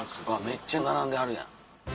めっちゃ並んではるやん。